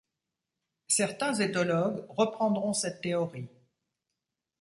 Certains éthologues reprendront cette théorie.